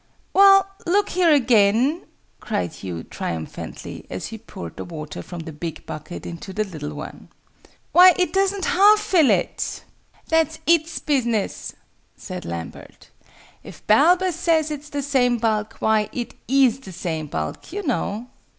"Well, look here again!" cried Hugh, triumphantly, as he poured the water from the big bucket into the little one. "Why, it doesn't half fill it!" "That's its business," said Lambert. "If Balbus says it's the same bulk, why, it is the same bulk, you know."